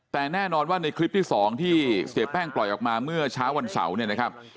แต่แน่นอนว่าในคลิปที่๒ที่เสียแป้งปล่อยออกมาเมื่อเช้าวันเสาร์เนี่ยนะครับ